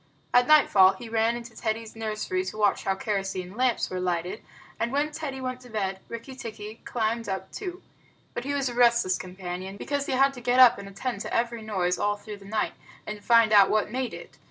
At nightfall he ran into Teddy's nursery to watch how kerosene lamps were lighted, and when Teddy went to bed Rikki tikki climbed up too. But he was a restless companion, because he had to get up and attend to every noise all through the night, and find out what made it.